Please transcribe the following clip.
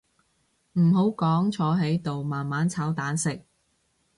唔好講坐喺度慢慢炒蛋食